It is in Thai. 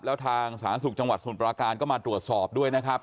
แล้วทางสาธารณสุขจังหวัดสมุทรปราการก็มาตรวจสอบด้วยนะครับ